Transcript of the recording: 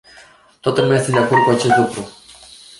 Toată lumea este de acord cu acest lucru.